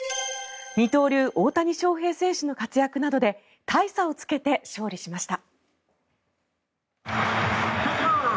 二刀流、大谷翔平選手の活躍などで大差をつけて勝利しました。